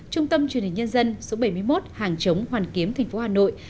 trung tâm truyền hình nhân dân số bảy mươi một hàng chống hoàn kiếm thành phố hà nội